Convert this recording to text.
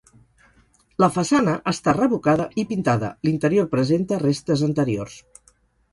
La façana està revocada i pintada, l'interior presenta restes anteriors.